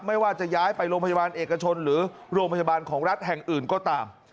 ไม่ว่าจะย้ายไปโรงพยาบาลเอกชนหรือโรงพยาบาลของรัฐแห่งอื่นก็ตาม